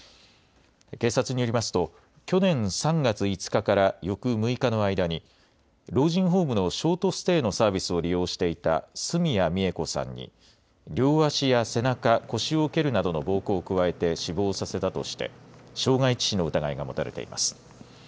警察によりますと、去年３月５日から翌６日の間に、老人ホームのショートステイのサービスを利用していた角谷三枝子さんに、両足や背中、腰を蹴るなどの暴行を加えて死亡させたとして、傷害致死の疑いが持たれています。